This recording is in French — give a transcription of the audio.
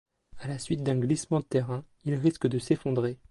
À la suite d'un glissement de terrain, il risque de s'effondrer.